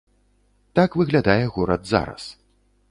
Так выглядае горад зараз.